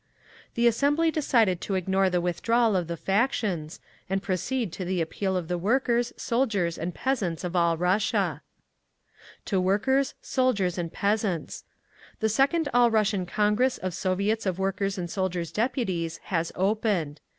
The assembly decided to ignore the withdrawal of the factions, and proceed to the appeal to the workers, soldiers and peasants of all Russia: TO WORKERS, SOLDIERS AND PEASANTS The Second All Russian Congress of Soviets of Workers' and Soldiers' Deputies has opened.